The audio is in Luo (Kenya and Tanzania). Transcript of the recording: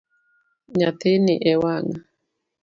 Nyathini e wang'a.